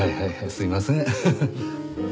すいません。